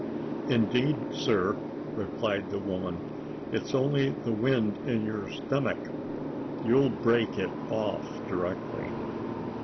"Indeed, sir," replied the woman, "it's only the wind in your stomach. You'll break it off directly."